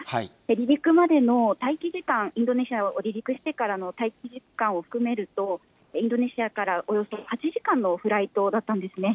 離陸までの待機時間、インドネシアを離陸してからの待機時間を含めると、インドネシアからおよそ８時間のフライトだったんですね。